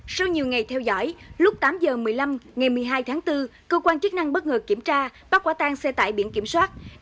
sau nhiều ngày theo dõi lúc tám h một mươi năm ngày một mươi hai tháng bốn cơ quan chức năng bất ngờ kiểm tra bắt quả tang xe tải biển kiểm soát